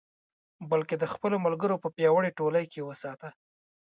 بلکې د خپلو ملګرو په پیاوړې ټولۍ کې یې وساته.